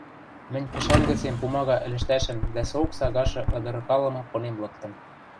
мӹнь кӹшӓн гӹцем пумага ӹлӹштӓшӹм дӓ соок сагашы ыдыркалымы пынем лыктым.